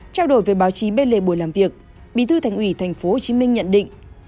trao đổi với báo chí bên lề bồi làm việc bí thư thành ủy tp hcm nhận định